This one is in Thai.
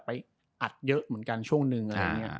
อัดเยอะเหมือนกันช่วงนึง